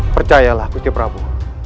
percayalah gusti prabu